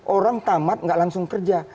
orang tamat nggak langsung kerja